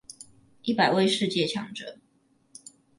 一百位世界強者